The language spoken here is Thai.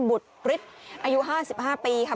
บุตรปริศอายุ๕๕ปีค่ะ